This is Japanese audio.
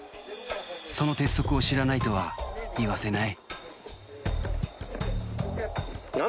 その鉄則を知らないとは言わせない